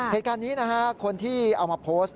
เหตุการณ์นี้นะฮะคนที่เอามาโพสต์